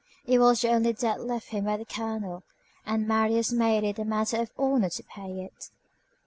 It was the only debt left him by the colonel, and Marius made it a matter of honor to pay it.